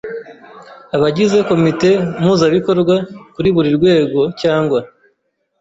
Abagize Komite Mpuzabikorwa kuri buri rwego, cyangwa